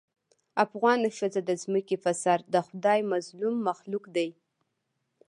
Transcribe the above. افغانه ښځه د ځمکې په سر دخدای مظلوم مخلوق دې